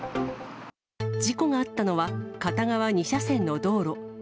事故があったのは、片側２車線の道路。